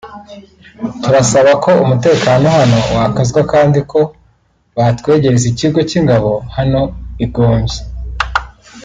“Turasaba ko umutekano hano wakazwa kandi ko batwegereza ikigo cy’ingabo hano i Gomvyi